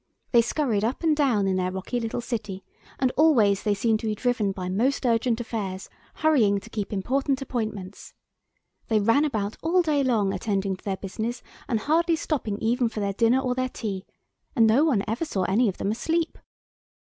They scurried up and down in their rocky little city, and always they seemed to be driven by most urgent affairs, hurrying to keep important appointments. They ran about all day long, attending to their business, and hardly stopping even for their dinner or their tea, and no one ever saw any of them asleep.